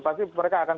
pasti mereka akan